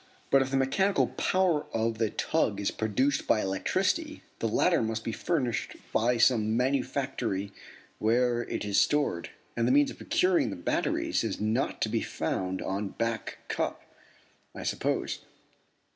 But if the mechanical power of the tug is produced by electricity the latter must be furnished by some manufactory where it is stored, and the means of procuring the batteries is not to be found on Back Cup, I suppose.